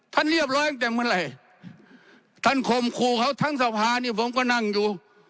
เรียบร้อยตั้งแต่เมื่อไหร่ท่านคมครูเขาทั้งสภานี่ผมก็นั่งอยู่